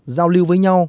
giao lưu với nhau